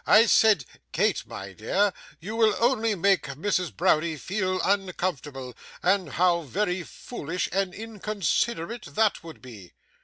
I said, "Kate, my dear, you will only make Mrs. Browdie feel uncomfortable, and how very foolish and inconsiderate that would be!"